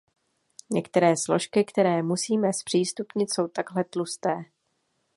Některé složky, které musíme zpřístupnit, jsou takhle tlusté.